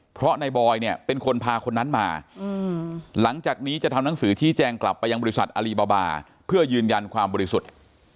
เพราะนายบอยเนี่ยเป็นคนพาคนนั้นมาหลังจากนี้จะทำหนังสือชี้แจงกลับไปยังบริษัทอลีบาบาเพื่อยืนยันความบริสุทธิ์